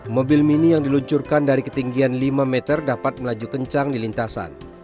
mobil mini yang diluncurkan dari ketinggian lima meter dapat melaju kencang di lintasan